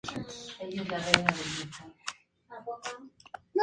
Poseen un pecho que exhibe manchas de color blanco.